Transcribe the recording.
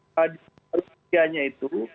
berikut persoalannya itu